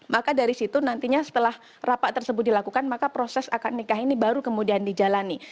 maka dari situ nantinya setelah rapat tersebut dilakukan maka proses akad nikah ini baru kemudian dijalani